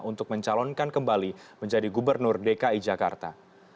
untuk mencalonkan kembali menjadi gubernur dki jakarta